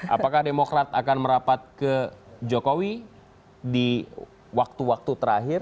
apakah demokrat akan merapat ke jokowi di waktu waktu terakhir